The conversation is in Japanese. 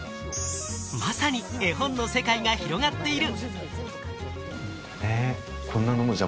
まさに絵本の世界が広がっている。